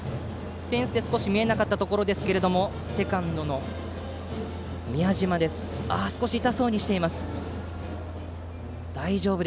フェンスで少し見えなかったところですがセカンドの宮嶋少し痛そうにしています。